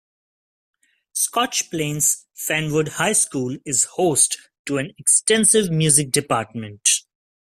Scotch Plains-Fanwood High School is host to an extensive music department.